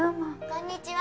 こんにちは！